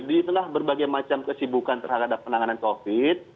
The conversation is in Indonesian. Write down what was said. ditelah berbagai macam kesibukan terhadap penanganan covid